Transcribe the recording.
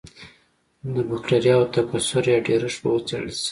د بکټریاوو تکثر یا ډېرښت به وڅېړل شي.